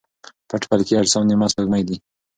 پټ فلکي اجسام نیمه سپوږمۍ دي.